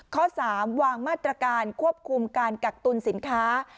ข้อ๓วางมาตรการควบคุมการกักตุลสินค้า